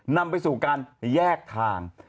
นำไปสู่การแยกทาง